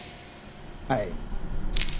はい。